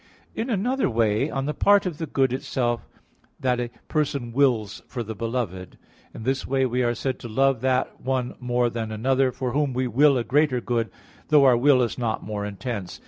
In another way on the part of the good itself that a person wills for the beloved. In this way we are said to love that one more than another, for whom we will a greater good, though our will is not more intense.